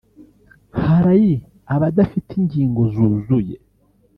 hari abadafite ingingo zuzuye